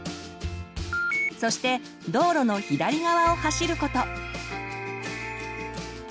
そして道路の左側を走ること。